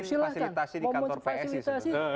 psi ingin fasilitasi di kantor psi